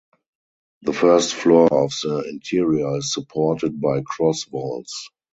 The first floor of the interior is supported by cross vaults.